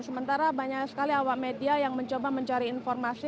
sementara banyak sekali awak media yang mencoba mencari informasi